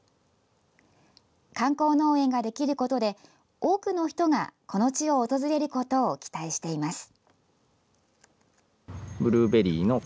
観光農園ができることで多くの人がこの地を訪れることを期待しています。